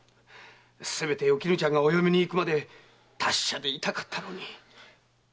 せめておきぬちゃんがお嫁にいくまで達者でいたかったろうに。